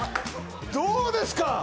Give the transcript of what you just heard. どうですか？